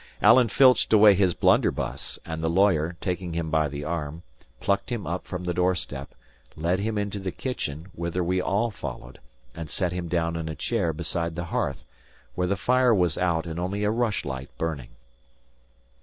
Alan filched away his blunderbuss; and the lawyer, taking him by the arm, plucked him up from the doorstep, led him into the kitchen, whither we all followed, and set him down in a chair beside the hearth, where the fire was out and only a rush light burning.